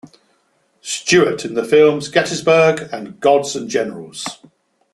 Stuart in the films "Gettysburg" and "Gods and Generals".